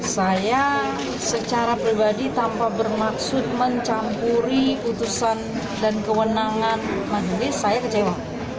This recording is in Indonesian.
saya secara pribadi tanpa bermaksud mencampuri putusan dan kewenangan majelis saya kecewa